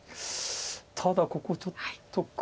ただここちょっと黒も。